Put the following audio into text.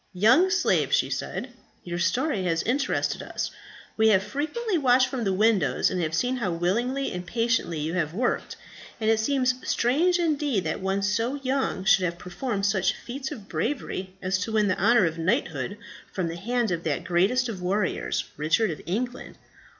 "Young slave," she said, "your story has interested us. We have frequently watched from the windows, and have seen how willingly and patiently you have worked; and it seems strange indeed that one so young should have performed such feats of bravery as to win the honour of knighthood from the hand of that greatest of warriors, Richard of England.